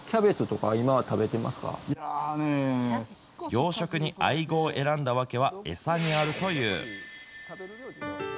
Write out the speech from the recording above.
養殖にアイゴを選んだ訳は、餌にあるという。